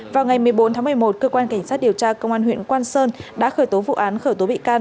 vào ngày một mươi bốn tháng một mươi một cơ quan cảnh sát điều tra công an huyện quang sơn đã khởi tố vụ án khởi tố bị can